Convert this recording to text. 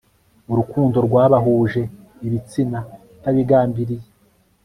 urukundo rwabahuje ibitsina utabigambiriye